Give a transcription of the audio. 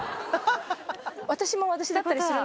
私も私だったりするのかな？